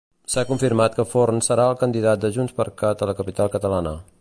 S'ha confirmat que Forn serà el candidat de JxCat a la capital catalana.